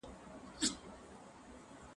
آیا پیوستون تر بېلتون پیاوړی دی؟